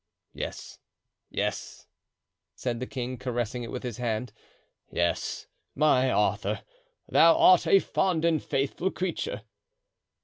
"Yes, yes," said the king, caressing it with his hand, "yes, my Arthur, thou art a fond and faithful creature."